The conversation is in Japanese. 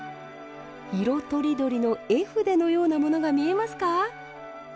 色とりどりの絵筆のようなものが見えますか？